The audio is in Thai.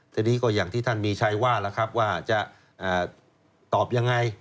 ทีนี้ก็อย่างที่ท่านมีชัยว่าแล้วครับว่าจะตอบยังไง